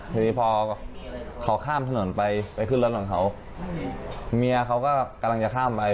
ทีนี้พอเขาข้ามถนนไปไปขึ้นรถของเขาเมียเขาก็กำลังจะข้ามไป